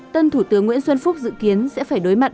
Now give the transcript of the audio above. tân thủ tướng nguyễn xuân phúc dự kiến sẽ phải đối mặt